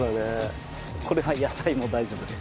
これは野菜も大丈夫です。